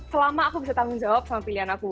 selama aku bisa tanggung jawab sama pilihan aku